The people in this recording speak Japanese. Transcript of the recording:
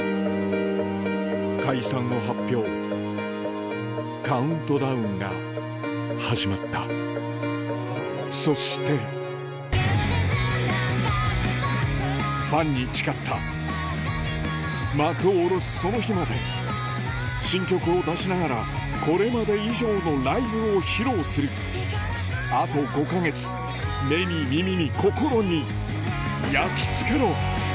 解散を発表カウントダウンが始まったそしてファンに誓った幕を下ろすその日まで新曲を出しながらこれまで以上のライブを披露するあと５か月目に耳に心に焼き付けろ！